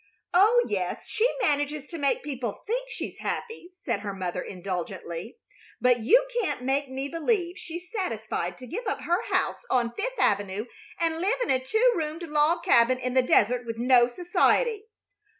"Oh yes, she manages to make people think she's happy," said her mother, indulgently; "but you can't make me believe she's satisfied to give up her house on Fifth Avenue and live in a two roomed log cabin in the desert, with no society."